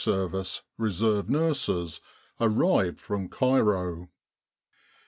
S Reserve nurses arrived from Cairo.